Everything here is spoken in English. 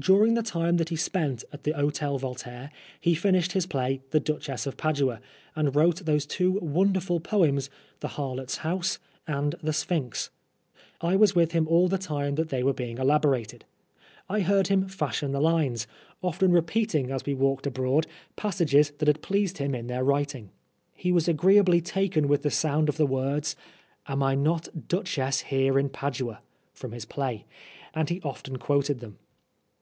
During the time that he spent at the Hotel Voltaire he finished his play " The Duchess of Padua," and wrote those two wonderful poems " The Harlot's House" and " The Sphynx." I was with him all the time that they were being elaborated. I heard him fashion the lines, often repeating, as we walked abroad, passages that had pleased him in their writing. He was agreeably taken with the sound of the words " Am I not Duchess here in Padua ?" from his play, and he often quoted them.